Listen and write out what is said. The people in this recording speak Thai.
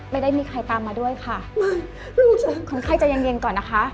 ไม่ได้มีใครตามมาด้วยค่ะคนไข้ใจเย็นเย็นก่อนนะคะ